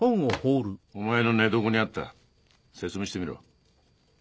お前の寝床にあった説明してみろ。